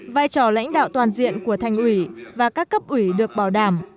vai trò lãnh đạo toàn diện của thành ủy và các cấp ủy được bảo đảm